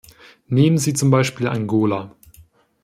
Nehmen Sie zum Beispiel Angola.